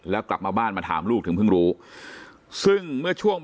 และกลับมาบ้านมาถามลูกถึงเพิ่งรู้